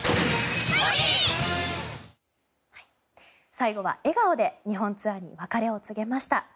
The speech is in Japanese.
最後は笑顔で日本ツアーに別れを告げました。